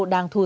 đang thu giữ